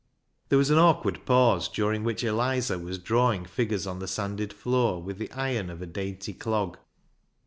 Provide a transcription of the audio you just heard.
There was an awkward pause, during which Eliza was drawing figures on the sanded floor with the iron of a dainty clog.